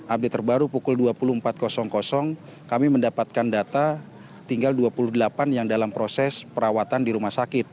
update terbaru pukul dua puluh empat kami mendapatkan data tinggal dua puluh delapan yang dalam proses perawatan di rumah sakit